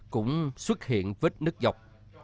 cũng xuất hiện vết nứt dọc